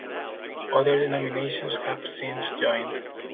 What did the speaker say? Other denominations have since joined.